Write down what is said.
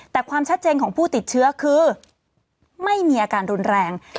แต่ความชัดเจนของผู้ติดเชื้อคือไม่มีอาการรุนแรง